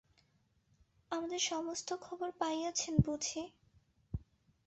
আমাদের সমস্ত খবর পাইয়াছেন বুঝি?